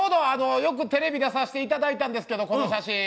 よくテレビ出させてもらったんですけど、この写真。